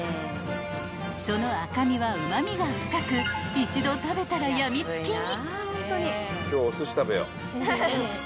［その赤身はうま味が深く一度食べたら病みつきに］